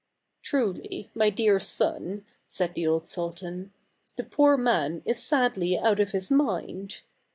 "Truly, my dear son," said the old sultan, "the poor man is sadly out of his mind."